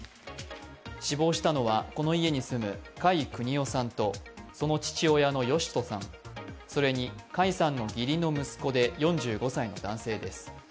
死亡したのは、この家に住む甲斐邦雄さんとその父親の義人さん、それに甲斐さんの義理の息子で４５歳の男性です。